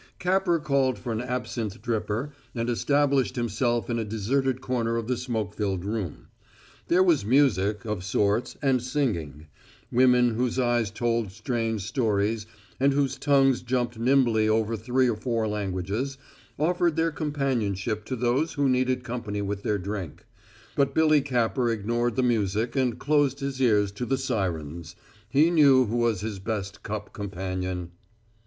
Capper called for an absinth dripper and established himself in a deserted corner of the smoke filled room. There was music, of sorts, and singing; women whose eyes told strange stories, and whose tongues jumped nimbly over three or four languages, offered their companionship to those who needed company with their drink. But Billy Capper ignored the music and closed his ears to the sirens; he knew who was his best cup companion.